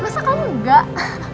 masa kamu enggak